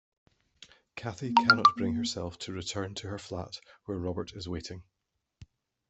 Cathy cannot bring herself to return to her flat, where Robert is waiting.